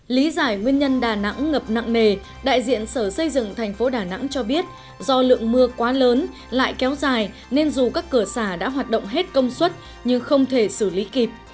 lý giải nguyên nhân đà nẵng ngập nặng nề đại diện sở xây dựng thành phố đà nẵng cho biết do lượng mưa quá lớn lại kéo dài nên dù các cửa xả đã hoạt động hết công suất nhưng không thể xử lý kịp